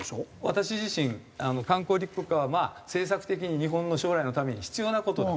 私自身観光立国はまあ政策的に日本の将来のために必要な事だと思っています。